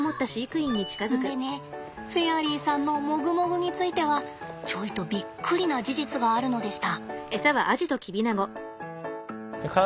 でねフェアリーさんのもぐもぐについてはちょいとびっくりな事実があるのでした。